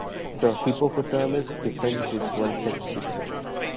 The Hippopotamus Defence is one such system.